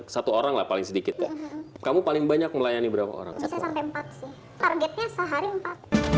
satu orang lapang sedikit kamu paling banyak melayani berapa orang sampai empat targetnya